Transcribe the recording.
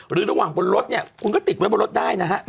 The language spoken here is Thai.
ระหว่างบนรถเนี่ยคุณก็ติดไว้บนรถได้นะฮะ